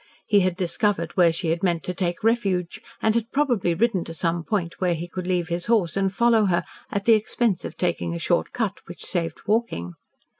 He had discovered where she had meant to take refuge, and had probably ridden to some point where he could leave his horse and follow her at the expense of taking a short cut which saved walking.